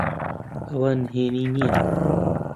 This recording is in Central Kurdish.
ئەوە نهێنی نییە.